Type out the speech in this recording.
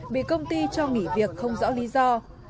bị công ty cho nghỉ việc không rõ lý do